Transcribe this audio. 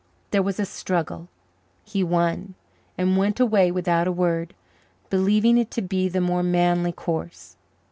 There was a struggle; he won, and went away without a word, believing it to be the more manly course.